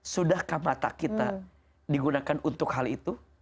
sudahkah mata kita digunakan untuk hal itu